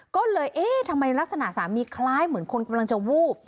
ก็เลยเอ๊ะทำไมลักษณะสามีคล้ายเหมือนคนกำลังจะวูบ